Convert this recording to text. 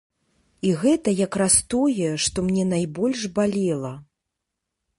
І гэта якраз тое, што мне найбольш балела.